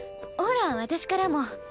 ほら私からも。